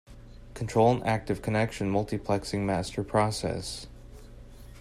Control an active connection multiplexing master process.